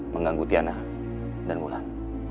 mengganggu tiana dan mulan